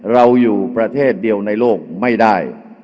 เราอยู่ประเทศเดียวในโลกไม่ได้